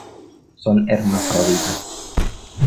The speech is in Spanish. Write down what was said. Son hermafroditas.